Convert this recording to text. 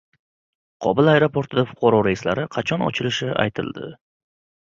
Kobul aeroportida fuqaro reyslari qachon ochilishi aytildi